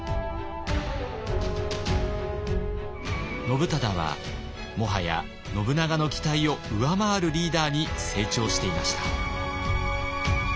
信忠はもはや信長の期待を上回るリーダーに成長していました。